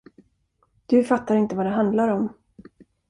Du fattar inte vad det handlar om.